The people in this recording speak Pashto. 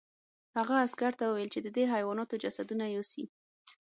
هغه عسکر ته وویل چې د دې حیواناتو جسدونه یوسي